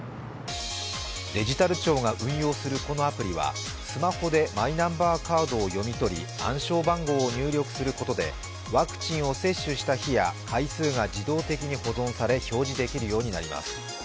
デジタル庁が運用するこのアプリはスマホでマイナンバーカードを読み取り、暗証番号を入力することでワクチンを接種した日や回数が自動的に保存され表示できるようになります。